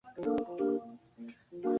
au za machungwa Vyura hawa hawana utumbo wao